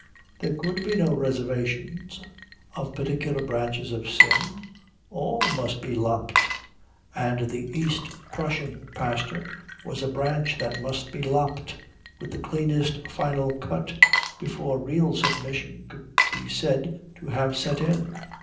There could be no reservations of particular branches of sin. All must be lopped. And the East Prussian pastor was a branch that must be lopped with the cleanest final cut before real submission could be said to have set in.